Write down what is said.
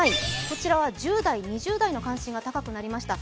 こちらは１０代、２０代の関心が高くなりました。